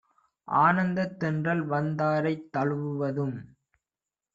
ஆனந்தத் தென்றல்வந் தாரத் தழுவுவதும்